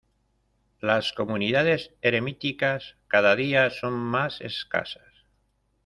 Las comunidades eremíticas cada día son más escasas.